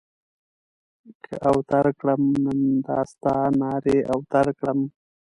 که اوتر کړم؛ نن دا ستا نارې اوتر کړم.